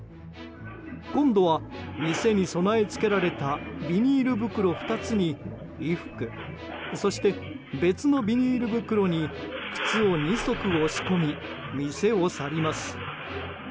今度は店に備え付けられたビニール袋２つに衣服そして別のビニール袋に靴を２足押し込み店を去ります。